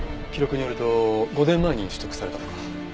記録によると５年前に取得されたとか。